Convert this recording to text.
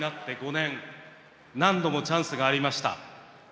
何度もチャンスがありました。